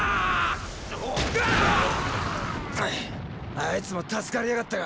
あいつも助かりやがったか。